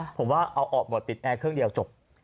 ผมว่าเอาออกหมดติดแอร์เครื่องเดียวจบ